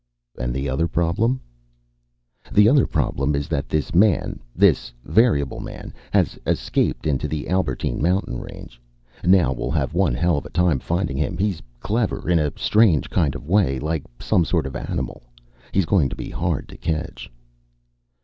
"And the other problem?" "The other problem is that this man, this variable man, has escaped into the Albertine Mountain range. Now we'll have one hell of a time finding him. He's clever in a strange kind of way. Like some sort of animal. He's going to be hard to catch."